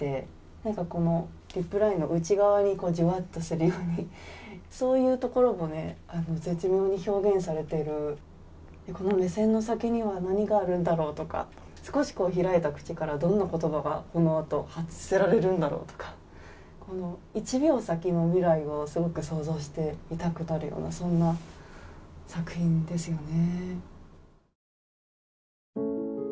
何かリップラインの内側にじわっとするようにそういうところも絶妙に表現されている、この目線の先には何があるんだろうとか少し開いた口からどんな言葉がこのあと発せられるんだろうとか、１秒先の未来をすごく想像してみたくなるようなそんな作品ですよね。